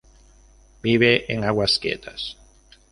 Vive en aguas quietas.